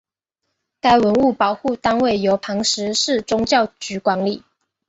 该文物保护单位由磐石市宗教局管理。